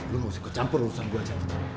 lu mesti kecampur urusan gua aja